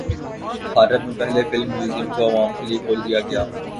بھارت میں پہلے film museum کو عوام کے لیے کھول دیا گیا